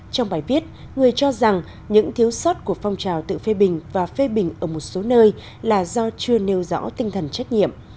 trong bài viết người cho rằng những thiếu sót của phong trào tự phê bình và phê bình ở một số nơi là do chưa nêu rõ tinh thần trách nhiệm